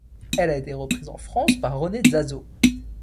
Elle a été reprise en France par René Zazzo.